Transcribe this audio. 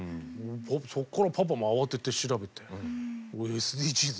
そこからパパも慌てて調べてＳＤＧｓ